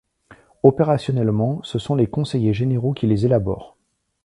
Opérationnellement, ce sont les conseillers généraux qui les élaborent.